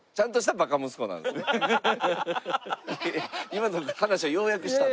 今の話を要約した。